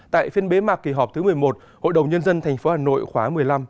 tại phiên bế mạc kỳ họp thứ một mươi một hội đồng nhân dân tp hà nội khóa một mươi năm